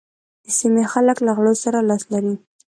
د سيمې خلک له غلو سره لاس لري.